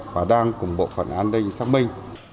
và đang cùng bộ phận an ninh xác minh